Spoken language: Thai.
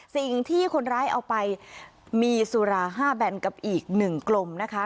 สิ่งที่คนร้ายเอาไปมีสุรา๕แบนกับอีก๑กลมนะคะ